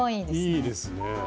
いいですね。